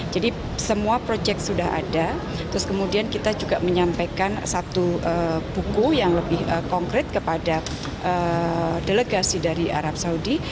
jadi semua proyek sudah ada terus kemudian kita juga menyampaikan satu buku yang lebih konkret kepada delegasi dari arab saudi